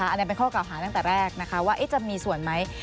อันนี้เป็นข้อกล่าวหาตั้งแต่แรกนะคะว่าจะมีส่วนไหม